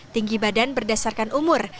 tinggi badan berdasarkan umur